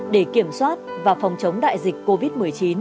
để kiểm soát và phòng chống đại dịch covid một mươi chín